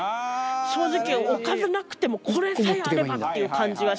正直おかずなくてもこれさえあればっていう感じはしますね。